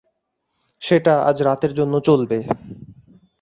সেটা আজ রাতের জন্য চলবে।